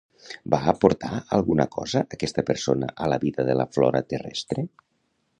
Va aportar alguna cosa aquesta persona a la vida de la flora terrestre?